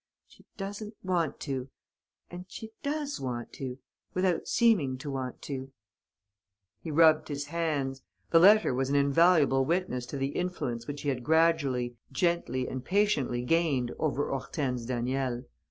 She doesn't want to ... and she does want to ... without seeming to want to." He rubbed his hands. The letter was an invaluable witness to the influence which he had gradually, gently and patiently gained over Hortense Daniel.